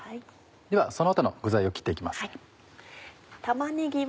ではその他の具材を切って行きます。